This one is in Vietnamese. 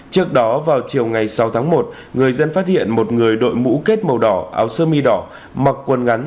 trước đó vào chiều ngày sáu tháng một người dân phát hiện một người đội mũ kết màu đỏ áo sơ mi đỏ mặc quần ngắn